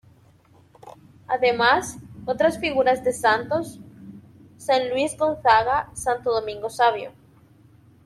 Además, otras figuras de santos: San Luis Gonzaga; Santo Domingo Savio.